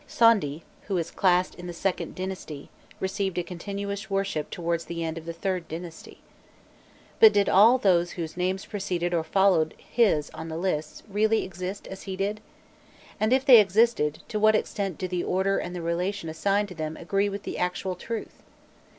Sondi, who is classed in the IInd dynasty, received a continuous worship towards the end of the IIIrd dynasty. But did all those whose names preceded or followed his on the lists, really exist as he did? and if they existed, to what extent do the order and the relation assigned to them agree with the actual truth?